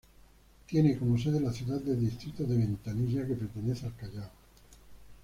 Tiene como sede la ciudad de Distrito de Ventanilla que pertenece al Callao.